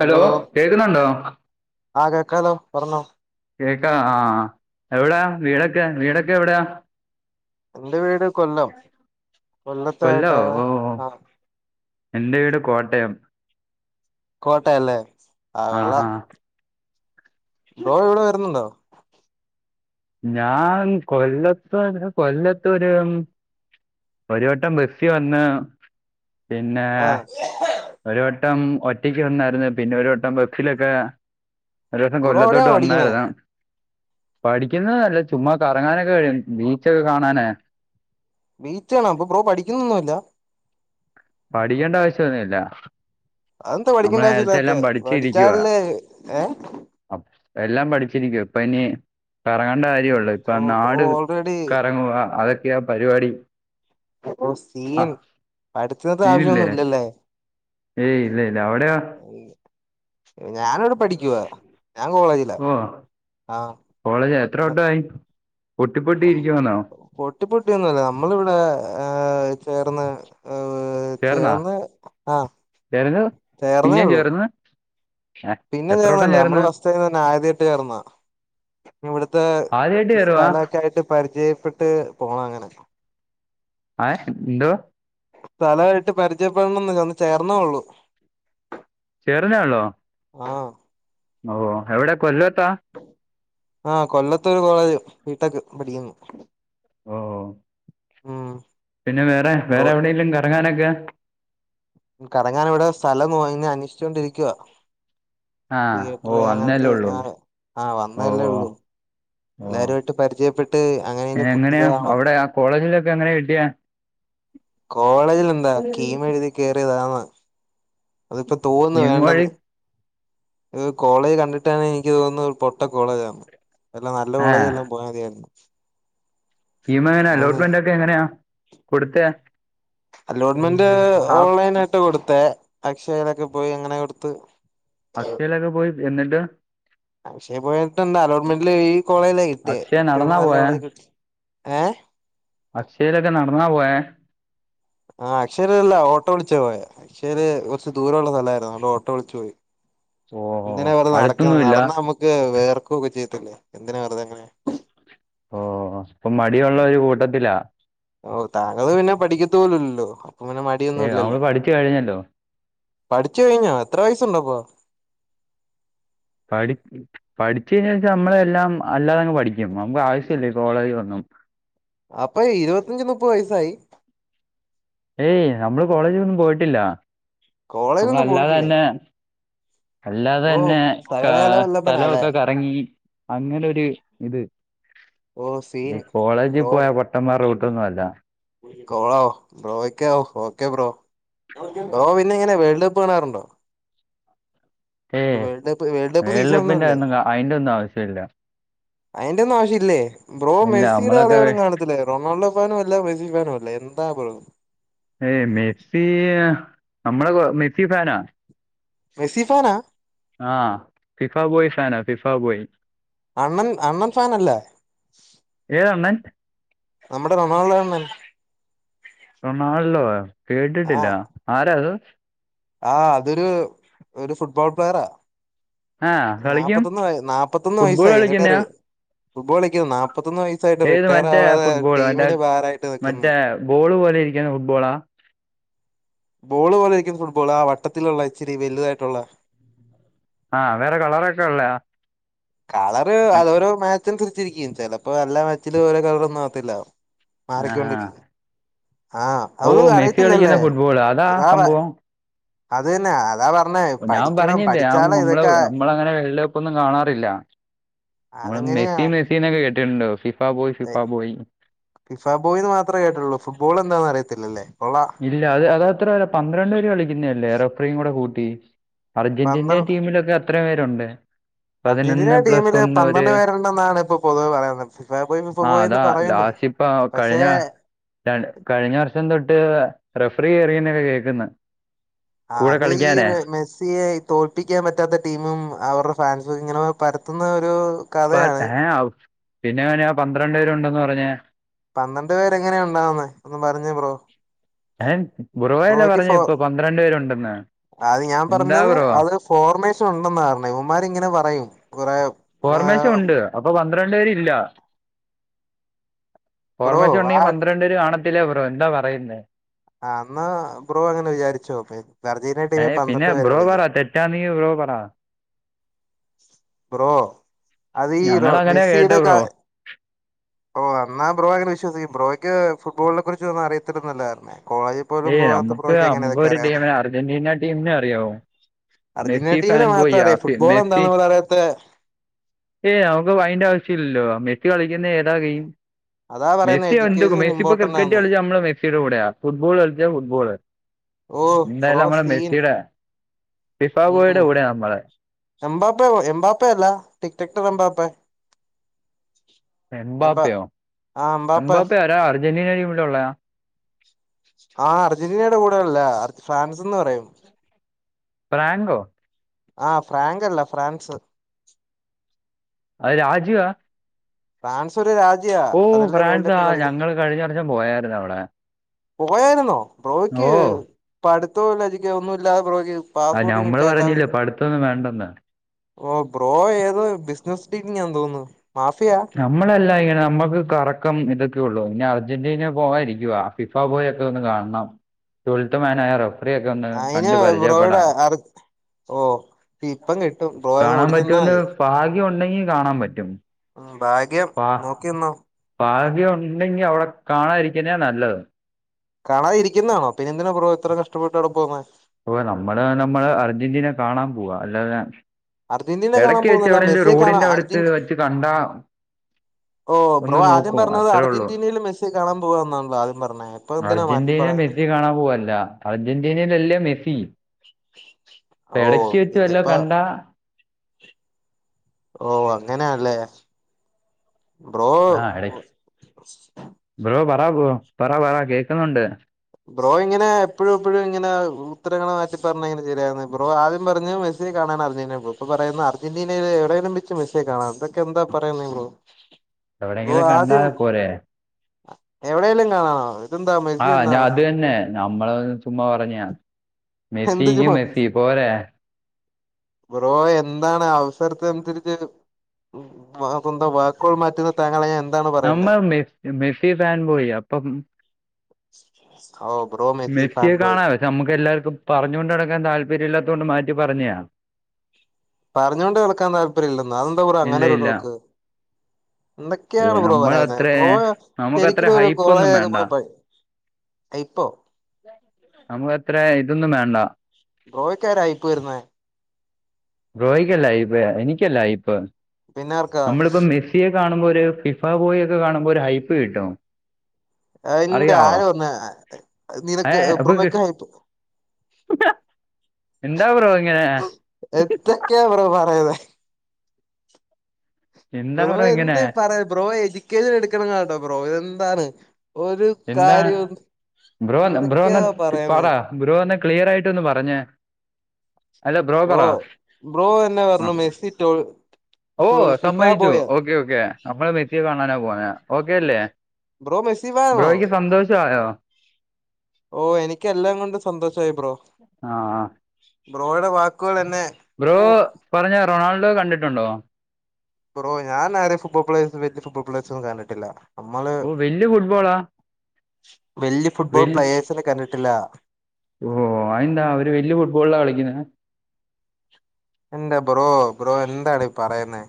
Hello കേൾക്കുന്നുണ്ടോ ആ കേക്കാലോ പറഞ്ഞോ കേക്കാ ആഹ എവിടെയാ വീടൊക്കെ വീടൊക്കെ എവിടെയാ എന്റെ വീട് കൊല്ലം കൊല്ലോ കൊല്ലത്തായിട്ടാ ഓ ആഹ എന്റെ വീട് കോട്ടയം. കോട്ടയല്ലേ. ആ ആഹ് കൊള്ളാം ആഹ് ബ്രോ ഇവിടെ വരുന്നുണ്ടോ? ഞാൻ കൊല്ലത്തർ കൊല്ലത്തൊര്. ഒരു വട്ടം ബസിവന്ന് പിന്നെ. ആ ഒരു വട്ടം ഒറ്റക്ക് വന്നായിരുന്നു പിന്നെ ഒരു വട്ടം ബസ്സിലൊക്കെ ഒരു ദിവസം ബ്രോ എവിടെയാണോ കൊല്ലത്തോട്ട് പഠിക്കുന്നേ വന്നായിരു ന്നു. പഠിക്കുന്ന നല്ല ചുമ്മാ കറങ്ങാനൊക്കെ കഴിയും ബീച്ചൊക്കെ കാണാനേ വീറ്റ്ണോ അപ്പൊ ബ്രോ പഠിക്കുന്നൊന്നുല്ല? പഠിക്കേണ്ട ആവശ്യം ഒന്നുല്ല. അതന്താ പഠിക്കണ്ട ആവശ്യയില്ലാത്തെ പഠിച്ചാല്ലല്ലേ ഏ അ എല്ലാം പഠിച്ചിരിക്കുവാ ഇപ്പൊ ഇനി ഇറങ്ങണ്ട കാര്യം ഒള്ളൂ ഇപ്പ ഓ ബ്രോ നാട് ഓൾറെഡി കറങ്ങുവാ അതൊക്കെയാ പരിപാടി ഓഹ് സി ആ എം പഠിച്ചിട്ട് നീനില്ലേ ആവശ്യംന്നുംഇല്ലല്ലേ? ഏയ് ഇല്ല ഇല്ല അവിടെയോ ഞാനിവിടെ പഠിക്കുവാ ഞാൻ കോളേജിലാ ഓ ആഹ് കോളേജ് എത്ര വട്ടായി പൊട്ടി പൊട്ടി ഇരിക്കുവാന്നോ? പൊട്ടി പൊട്ടിയൊന്നുംല്ല നമ്മളിവിടെ ഏഹ് ചേർന്ന് ചേർന്നാ ചേർന്ന് ആഹ ചേർന്ന് ചേർന്നേ പിന്നെയും ഉള്ളു ചേർന്ന് ഏ പിന്നെന്നും എത്ര വട്ടം ചേർന്നല്ല നമ്മള് ചേർന്ന് ഫാസ്റ്റ് തന്നെ ആദ്യയിട്ട് ചേർന്നാ. ഇവിടുത്തെ ആദ്യമായിട്ട് ചേരുവാ സ്ഥലൊക്കെ ആയിട്ട് പരിചയപ്പെട്ട് പോണം അങ്ങനെ. ആഹ് എന്തോ? സ്ഥലായിട്ട് പരിചയപ്പെടണംന്ന് ഇന്ന് ചേർന്നെ ഒള്ളു. ചേർന്നെ ഉള്ളോ? ആഹ് ഓ എവിടെ കൊല്ലോത്താ. ആ കൊല്ലത്തോരു കോളേജ് ബീടെക്ക് പഠിക്കുന്നു. ഓ ഉം പിന്നെ വേറെ ബ്രോ വേറെ എവിടെയെങ്കിലും കറങ്ങാനൊക്കെ കറങ്ങാൻ ഇവിടെ സ്ഥലം അയ്ന് അന്വേഷിച്ചുകൊണ്ടിരിക്കുവാ. ആ ഓ തിയേറ്റർ അന്നല്ലേ അങ്ങനത്തെ ഉള്ളൂ ആ ആഹ് ഓ വന്നല്ലേ ഉള്ളൂ. ഓ ഓ എല്ലാരുയിട്ട് പരിചയപ്പെട്ട് അങ്ങനെന് എങ്ങനെയാ ഇതാണോ? അവിടെ ആ കോളേജിലൊക്കെ എങ്ങനെ കിട്ടിയ കോളേജിൽ എന്താ കീമ്മ് എഴുതി കേറിയതാന്ന് അതിപ്പോ തോന്നുന്നു കിമൊഴി വേണ്ടെന്ന് ഈ കോളേജ് കണ്ടിട്ടാണെകിൽ എനിക്ക് തോന്നുന്നു പൊട്ട കോളേജ് ആണ്ന് വല്ല നല്ല ആ കോളേജ് എല്ലാം പോയാൽ മതിയായിരുന്നു. സ്കീമ് എങ്ങനെ ആന്ന് അലോട്ട്മെന്റ് ഒക്കെ എങ്ങനെയാ കൊടുത്തെ അലോട്ട്മെന്റ് ഓൺലൈൻ ആയിട്ട് കൊടുത്തെ അക്ഷയലൊക്കെ പോയി അങ്ങനെ കൊടുത്ത് അക്ഷയയിലൊക്കെ പോയി എന്നിട്ട്. അക്ഷേ പോയിട്ട്ന്ത അലോട്ട്മെന്ല് ഈ കോളേജിലേ കിട്ടിയ അക്ഷയ ഇച്ച് കൂടെ നടന്നാ നല്ല പോയെ കോളേജ് കിട്ടി ഏ അക്ഷേ ലൊക്കെ നടന്നാ പോയേ? ആഹ് അക്ഷയിൽ അല്ല ഓട്ടോ വിളിച്ചാ പോയെ പക്ഷേഅത് കുറച്ച് ദൂരമുള്ള സ്ഥലമായിരുന്നു അത്കൊണ്ട് ഓട്ടോ വിളിച്ച് പോയി. ഓ എന്തിനാ വെറുതെ നടക്ക്ന്ന് അടുത്തൊന്നുമില്ല നടന്നാ നമ്മുക്ക് വേയർക്ക് ഒക്കെ ചെയ്ത്തില്ലേ എന്തിനാ വെറുതെ അങ്ങനെ ഓ അപ്പൊ മടിഉള്ള ഒരു കൂട്ടത്തിലാ ഓ താങ്കള് പിന്നെ പഠിക്കത്ത് പോലുല്ലല്ലോ അപ്പൊ പിങ്ങനെ ഏ മടിയൊന്നും നമ്മള് ഇല്ലല്ലോ പഠിച്ചു കഴിഞ്ഞല്ലോ പഠിച്ചു കഴിഞ്ഞോ എത്ര വയസ്സുണ്ടപ്പം പഠി പഠിച്ച് കഴിഞ്ഞോച്ചാൽ ഞമ്മളെ എല്ലാം അല്ലാതെങ്ങ് പഠിക്കും നമുക്ക് ആവശ്യ ഇല്ല ഈ കോളേജ് ഒന്നും. അപ്പൊ ഇരുപത്തഞ്ച് മുപ്പത് വയസ്സായി. ഏയ് നമ്മള് കോളേജിൽന്നും പോയിട്ടില്ല കോളേജൊന്നും നമ്മളല്ലാതെ പോയിട്ടില്ലേ തന്നെ. അല്ലാതെ ഓ തന്നെ കാ സകലകല സ്ഥലം വല്ലഭനാല്ലേ ഒക്കെ കറങ്ങി. അങ്ങനെരു ഇത് ഓ സീൻ ഈ കോളേജിൽ ബ്രോ പോയ പൊട്ടന്മാരെ റൂട്ടൊന്നും അല്ല. കോളോ ബ്രോക്ക് ഓക്കെ ബ്രോ ബ്രോ പിന്നെ ഇങ്ങനെ വേൾഡ് കപ്പ് കാണാറുണ്ടോ? ഇപ്പൊ ഏയ് world cup world cup season കപ്പിന്റെ ഒന്നുംല്ലേ ഒന്നും അതിന്റെ ഒന്നും ആവശ്യമില്ല അയിന്റെ ഒന്നും ആവശ്യ ഇല്ലേ ബ്രോ ഇല്ല മെസ്സിയുടെ നമ്മളൊക്കെ കളികളും കാണത്തില്ലെ റൊണാൾഡോ ഫാനും അല്ല മെസ്സി ഫാനും അല്ല എന്താ ബ്രോ. ഏയ് മെസി നമ്മള കൊ മെസ്സി ഫാനാ മെസ്സി ഫാനാ ആ ഫിഫാ ബോയ് ഫാന ഫിഫാ ബോയ്. അണ്ണൻ അണ്ണൻ ഫാനല്ലേ ഏതണ്ണൻ നമ്മുടെ റൊണാൾഡോ ആണ്. റൊണാൾഡോ കേട്ടിട്ടില്ല ആരാത്? ആ അതൊരു ഒരു ഫുട്ബോൾ പ്ലെയറാ. ആ കളിക്കും നാപ്പത്തൊന്ന് വ നാപ്പത്തൊന്ന് ഫുട്ബോൾ വയസ്സായി എന്നിട്ട് റെ കളിക്കുന്നയാ ഫുട്ബോൾ കളിക്ക നാപ്പത്തൊന്ന് വയസ തായിട്ട് ഏത് റിട്ടയർ മറ്റേ ആവാതെ ഫുട്ബോൾ മറ്റേ ടീമിന് ഭാരമായിട്ട് നിൽക്കുന്നു മറ്റേ ബോള് പോലെ ഇരിക്ക്ണ ഫുട്ബോളാ? ബോള് പോലെരിക്കും ഫുട്ബോൾ ആ വട്ടത്തിലുള്ള ഇച്ചിരി വലുതായിട്ടുള്ള. ആഹ് വേറെ കളറൊക്കെ ഉള്ളേ കളറ് അത് ഓരോ മാച്ച് അനുരിച്ചിരിക്കും ചിലപ്പോ എല്ലാ മാച്ചിൽ ഓരോ കളറ് ഒന്നും ആവത്തില്ല ആ മാറിക്കൊണ്ടിരിക്കുന്നു ആ ഓ അതൊന്നും മെസ്സി കളിക്കുന്ന അറിയത്തില്ലല്ലേ ഫുട്ബോൾ അതാ ഇതാ സംഭവം അത് തന്നെ അതാ പറ ഞാൻ പറഞ്ഞില്ലേ ഞ നമ്മള് നമ്മളങ്ങനെ വെള്ളെ ഇപ്പോ ഒന്നും കാണാറില്ല നമ്മൾ അതെങ്ങനെയാ മെസി മെസിനൊക്കെ കേട്ടിട്ടുണ്ട് പക്ഷെഇപ്പോ ഫിഫ ബോയ് ഫിഫ ബോയ് ഫിഫാബോയിന്ന് മാത്രേ കേട്ടുള്ളൂ ഫുട്ബോൾ എന്താന്ന് അറിയത്തില്ലേ കൊള്ളാം. ഇല്ല അത് അത് അത്രല്ല പന്ത്രണ്ട് പേര് കളിക്കുന്നല്ലേ റഫറിയും കൂടെ കൂട്ടി. അർജന്റീന്റെ പന്ത്ര ടീമിലൊക്കെ എത്ര പേരുണ്ട്? അർജന്റീന പതിനൊന്ന് പ്ലസ് ടീമില് ഒന്ന് ഒരു പന്ത്രണ്ട് പേരുണ്ടെന്നാണ് ഇപ്പൊ പൊതുവേ പറയുന്നത് ഫിഫ ബോയ് ഫിഫ ബോയ് ന്ന് പറ ലാസ്റ്റിപ്പോ കഴിഞ്ഞ താണ് കഴിഞ്ഞ വർഷം തൊട്ട് റെഫറി കേറിനൊക്കെ കേൾക്കുന്ന്. ആ അത് ഈ റെ മെസ്സിയെ തോൽപ്പിക്കാൻ പറ്റാത്ത ടീമും അവരുടെ ഫാൻസും ഇങ്ങനെ പരത്തുന്ന ഒരു പർ കഥയാണ് ഏ ആവും പിന്നെങ്ങനയാ പന്ത്രണ്ട് പേരുണ്ടെന്ന് പറഞ്ഞേ പന്ത്രണ്ട് പേരെ എങ്ങനെയാ ഉണ്ടാവുന്ന ഒന്ന് പറഞ്ഞെ ബ്രോ ഏ ബ്രോയല്ലേ ബ്രോക്ക് പറഞ്ഞു ഫോ ഇപ്പൊ പന്ത്രണ്ട് പേരുണ്ടെന്ന് അത് ഞാൻ എന്താ പറഞ്ഞത് ബ്രോ അത് ഫോർമേഷൻ ഉണ്ടെന്ന പറന്ന് അവന്മാരിങ്ങനെ പറയും കുറെ. ഫോർമേസും ഉണ്ട് അപ്പൊ പന്ത്രണ്ട് പേര്ല്ല ബ്രോ ഓർമ്മശക്തി ആ ഉണ്ടെങ്കിൽ പന്ത്രണ്ടേര് കാണത്തില്ലേ ബ്രോ എന്താ പറയുന്നേ? ആ ഇന്നാ ബ്രോ അങ്ങനെ വിചാരിച്ചോക്ക് അർജീനിയ ഏ ടീമിൽ പിന്നെ പന്ത്രണ്ട് പേര് ബ്രോ കളിക്കാ. [unintelligible] ബ്രോ പറ ബ്രോ അത് ഈ ഞങ്ങൾ അങ്ങനെ കേട്ടെ മെസ്സിയുടെ ക ബ്രോ ഓ എന്ന ബ്രോ അങ്ങന വിശ്വസിക്ക് ബ്രോയ്ക്ക് ഫുട്ബോളിനെ കുറിച്ച് ഒന്നും അറിയത്തില്ലന്നല്ലാരുന്നേ കോ ഏയ് നമ്മക്ക് നമ്മക്ക്‌ ഒരു ടീമിനെ അർജന്റീന ടീമിനെ അറിയാവൂ അർജന്റീന മെസി ഫൻ ടീമിനെ മാത്രം ബോയിയ അറിയാം ഫുട്ബോൾ മെസി എന്താന്ന് പോലും അറിയാത്തെ ഏ് നമുക്ക് അയന്റെ ആവശ്യമില്ലല്ലോ മ എത്തി കളിക്കുന്നത് ഏതാകയും അതാ പറയുന്നെ മെസ്സി ഒണ്ട്പ്പ എഡ്യൂക്കേഷൻ മെസ്സിപ്പം ഇമ്പോർട്ടന്റ് ക്രിക്കറ്റ് ആന്ന് കളിച്ചാ നമ്മള് മെസിയുടെ കൂടെയാ ഫുട്ബോൾ കളിച്ചാ ഫുട്ബോള്. ഓ എന്തായാലും ബ്രോ നമ്മള സീൻ മെസ്സിയുടെ ഫിഫാഗോയുടെ കൂടെ നമ്മള എംബാപ്പേ എംബാപ്പയല്ല ടിക് ക്ടർ എംമ്പാപ്പെ എംബ എംബാപ്പയോ ആ എംബാപ്പെ എംബാപ്പ ആരാ അർജന്റീന ടീമിലൊളളയാ ആ അർജന്റീനയുടെ കൂടെല്ല ഫ്രാൻസ്ന്ന് പറയും പ്രാങ്കോ? ആഹ ഫ്രാങ്ക് അല്ല ഫ്രാൻസ് ഹലോ രാജീവാ ഫ്രാൻസ് ഒരു രാജ്യാ അതല്ലേ വേൾഡ് ഫ്രാൻസ് കപ്പ് ആ കളിക്കും ഞങ്ങള് കഴിഞ്ഞ വർഷം പോയായിര്ന്നു അവിടെ. പോയാര്ന്നോ ബ്രോക്ക് ഓ പട്ത്തോല്ല എജുക്ക ഒന്നുല്ലാതെ ബ്രോയ്ക്ക്. ആ പാസ്പോർട്ടും ഞാൻമ്മള് കിട്ടാല്ല പറഞ്ഞില്ലേ പടീത്തൊന്നും വേണ്ടെന്ന് ഓ ബ്രോ ഏതോ ബിസിനസ് ടീം തോന്നുന്നു മാഫിയ നമ്മളല്ല ഇങ്ങനെ നമ്മുക്ക് കറക്കം ഇതൊക്കെയള്ളൂ ഇനി അർജന്റീന പോകാണിരിക്കുവാ ഫിഫാ ബോയ് ഒക്കെതന്ന് കാൺണം ട്വൽത്ത് മാൻ ആയ റ [unintelligible] ഒന്ന് അയിന് കണ്ടു ബ്രോയുടെ പരിചയപ്പെടാൻ അർ ഓ ഇപ്പം കിട്ടും ബ്രോ അങ്ങ് കാണാൻ ഓടിച്ചെന്നാ പറ്റുമന്ന് മതി ഭാഗ്യം ഉണ്ടെങ്കി കാണാൻ പറ്റും ഉം ഭാഗ്യം ഭാ നോക്കിന്നോ ഭാഗ്യം ഉണ്ടെങ്കി അവളെകാണാതിരിക്കുന്ന നല്ലത് കാണാതിരിക്കുന്നാണോ പിന്നെന്തിനാ ബ്രോ ഇത്ര കഷ്ടട്ടവിടെ പോന്ന ഓ നമ്മള് നമ്മള് അർജന്റീന കാണാൻ പോവാ അല്ലാതെ അർജന്റീന കാണാൻ ഇടക്ക് വെച്ച് പോകുന്നല്ല എവിടെെിലും മെസ്സിയെ കാണാൻ റോഡിന്റെ അവിടുത്ത് അർജന്റ് വെച്ച് കണ്ടാ ഓ ബ്രോ ഒന്ന് ആദ്യം നോക്കും പറഞ്ഞത് അത്രേ ഉള്ളൂ അർജന്റനൽ മെസ്സിെ കാണാൻ പോുകവാ എന്നാണല്ലോ ആദ്യം പറഞ്ഞത് അർജന്റീന മെസ്സി കാണാൻ പോവല്ല അർജന്റീനയിലല്ലേ മെസ്സി ഓ ഇടക്ക് വെച്ച വല്ലോ ഇനിയിപ്പ കണ്ടാ ഓ അങ്ങനെയല്ലേ ബ്രോ ആ ഇടയ്ക്ക് ബ്രോ പറ ബ്രോ പറ പറ കേക്കുന്നുണ്ട് ബ്രോ ഇങ്ങനെ എപ്പോഴും എപ്പോഴും ഇങ്ങനെ ഉത്തരങ്ങളെ മാറ്റി പറഞ്ഞ ഇങ്ങനെ ശരിയാവ്ന്ന ബ്രോ ആദ്യം പറഞ്ഞു സ്സിയെ കാണാൻ അർജൻ്റീന പോ പ്പ പറയുന്ന് അർജന്റീനയിലെ എടെലും വെച്ച് മെസ്സിയെ കാണാം തൊക്കെ എന്താ പറയുന്നെ ബ്രോ. ബ്രോ എവിടെയെങ്കിലും കണ്ടാ ആദ്യം പോരെ എവിടെെലും കാണാന ആഹ് ഞാ അത് തന്നെ നമ്മള് ചുമ്മാ പറഞ്ഞാ. എന്ത് ബ്രോ എന്താണ് ആവശ്യം [unintelligible] സ്വന്തം വാക്കുകൾ മാറ്റുന്ന താങ്കളെ എന്താണ് നമ്മ പറയണ്ടേ മെ മെസ്സി ഫാൻ ബോയി അപ്പം ഓ ബ്രോ മെസ്സി ഫാൻ മെസിയെ ബോയ് കാണാ വച്ച ഇത് നമുക്കെല്ലാർക്കും പറഞ്ഞോണ്ട് നടക്കാൻ താല്പര്യം ഇല്ലാതോണ്ട് മാറ്റി പറഞ്ഞാ പറഞ്ഞുകൊണ്ട് കേൾക്കാൻ താല്പര്യ ഇല്ലോ അതെന്താ പറ ഇല്ല അങ്ങനൊ ഒരു ഇല്ല ലോക്ക് [inaudible] ഏ, എന്തൊക്കെയാണ് ബോ പറയുന്നത് നമ്മളത്ര ബ്രോ നമുക്കത്ര ശരിക്കും ഒരു ഹൈപ്പൊന്നും വേണ്ട കോളേജൊക്കെ പോയി ഇപ്പൊ നമുക്ക് എത്ര ഇതൊന്നും വേണ്ട ബ്രോയ്ക്കാരർായിയിപ്പോയിരുന്ന ബ്രോയിക്കല്ലയ്‌ഫ് എനിക്കല്ലയ്പ് പിന്നാർക്കാ നമ്മളിപ്പോ മെസ്സിയെ കാണുമ്പോ ഒരു ഫിഫാബോയി ഒക്കെ കാണുമ്പോൾ ഒരു ഹൈപ്പ് കിട്ടോ എന്റെ ആര് വന്ന് നിനക്ക് ഏ, അപ്പൊ ബ്രോക്ക് കി- ആയിപ്പോ എന്താ ബ്രോ ഇങ്ങനെ എത്തൊക്കെ ബ്രോ പറയുന്നെ. എന്താ ബ്രോ ഇങ്ങനെ എന്ത്ഈ പറ ബ്രോ എഡ്യൂക്കേഷൻ എടുക്കണം കേട്ടോ ബ്രോ എന്താണ് ഒരു എന്താ കാര്യം എന്തൊക്കെയാ പറയുന്നെ ഗുരോ ഒന്ന് ക്ലിയർ ആയിട്ട് ഒന്ന് പറഞ്ഞേ അല്ല പറ ബ്രോ ബ്രോ തന്നെ ആ. പറഞ്ഞു മെസ്സി ോ ഓ സമ്മതിച്ചു ഓക്കേ ഓക്കെ നമ്മള് മെസിയെ കാണാനാ പോന ഓക്കേ അല്ലേ ബ്രോ മെസ്സി ഫാനോ ബ്രോയ്ക്ക് സന്തോഷ ആയോ ഓ എനിക്ക് എല്ലാം കൊണ്ടും സന്തോഷയി ബ്രോ ആ ബ്രോയുടെ വാക്കുകൾ എന്നെ ബ്രോ ഓ പറഞ്ഞ റൊണാൾഡോ കണ്ടിട്ടുണ്ടോ ബ്രോ ഞാനാരെയും ഫുട്ബോൾ പ്ലേ വെച്ചിട്ട് ഫുട്ബോൾ പ്ലേ ഒന്നും കണ്ടിട്ടില്ല നമ്മള് ഓ വലിയ ഫുട്ബോളാ വല്യ ഫുട്ബോൾ പ്ലയേഴസിനെ കണ്ടിട്ടില്ല ഓഹ അയ എന്താ അവര് വല്യ ഫുട്ബോളാണ് കളിക്കുന്ന എൻ്റെ ബ്രോ ബ്രോ എന്താണ് ഈ പറയുന്നത്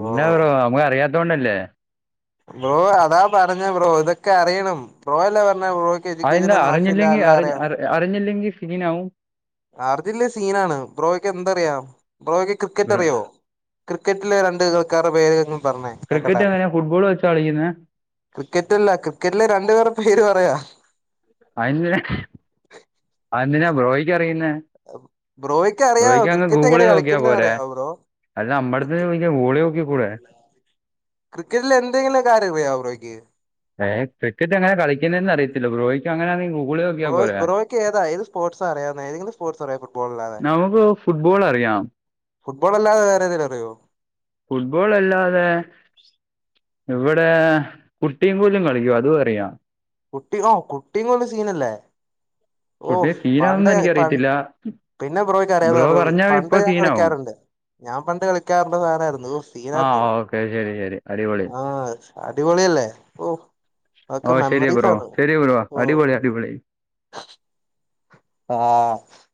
എന്ന ബ്രോ നമക്ക് അറിയാതോണ്ടല്ലേ ബ്രോ അതാ പറഞ്ഞ ബ്രോ ഇതൊക്കെ അറിയണം ബ്രോ അല്ലേ പറഞ്ഞ ബ്രോ അഎന്നാ അറിഞ്ഞില്ലെങ്കി അറി അറ് അറിഞ്ഞില്ലെങ്കിൽ സീനാവും. ആർജില്ല സീനാണ് ബ്രോയ്ക്ക് എന്തറിയാം ബ്രോയ്ക്ക് ക്രിക്കറ്റ് ബ്രോ അറിയോ ക്രിക്കറ്റിലെ രണ്ട് കലീക്കാരുടെ പേര്ങ്ങും പറഞ്ഞ ക്രിക്കറ്റ് എങ്ങനെയാണ് ഫുട്ബോൾ വെച്ചാ കളിക്കുന്നത് ക്രിക്കറ്റല്ല ക്രിക്കറ്റ്ലെ രണ്ടുപേർടെ പേര് പറയാ. [unintelligible] ആയേന്തിനാ ബ്രോക്ക് അറിയുന്നേ ബ്രോയ്ക്ക് അറിയാവോ ക്രിക്കറ്റെങ്ങനെ കളിക്കുന്നന്ന് അറിയാവോ ബ്രോ. അത് നമ്മെടുത്തെ ചോദിക്ക ഓളോക്കി കൂടെ ക്രിക്കറ്റിൽ എന്തെങ്കിലുംകാര്യംഅറിയാ ബ്രോയ്ക്ക് ഏഹ് ക്രിക്കറ്റ് എങ്ങനെ കളിക്കുന്നന്ന് അറി ബ്രോക്ക് അങ്ങഎന്നെ ഗൂഗിള നോക്കിയാ ബ്രോ പോരാ ബ്രോയ്ക്ക് ഏതാ ഏത് സ്പോർട്സാ അറിയാവുന്നെ ഏതെങ്കിലും സ്പോർട്സ് അറിയോ ഫുട്ബോൾ അല്ലാതെ നമുക്ക് ഫുട്ബോൾ അറിയാം ഫുട്ബോൾ അല്ലാതെ വേറെ ഏതേലും അിറീയോ ഫുട്ബോൾ അല്ലാതെ ഇവിടെ കുട്ടിയും കൊലും കളിക്കും അതും അറിയാം കുട്ടി ഓ കുട്ടിുന്ന സീനല്ലേ ഓ് കുട്ടി പണ്ട സീനാവുമെന്ന് പ എനിക്കറിയത്തില്ല പിന്നെ ബ്രോയ്ക്ക് അറിയാത ബ്രോ പറഞ്ഞ പറഞ്ഞാ പണ്ട് ഇപ്പൊ ഞാൻ സീനാവും കളിക്കാറുണ്ട് ഞാൻ പണ്ട കളിക്കാരൻ്റെ സാധനമായിരുന്നു ആ സീനായിരുന്നു ഓക്കെ ശരി ശരി അടിപൊളി ആ അടിപൊളിയല്ലേ ഓ ഓ അതൊക്കെ ശരി മെമ്മറി ബ്രോ ശരി ബ്രോ അടിപൊളി അടിപൊളി ആഹ